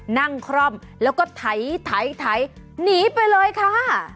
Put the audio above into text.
คร่อมแล้วก็ไถหนีไปเลยค่ะ